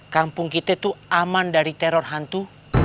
kampung kita itu aman dari teror hantu